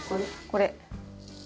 これ。